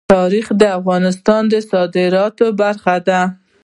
تاریخ د افغانستان د صادراتو برخه ده.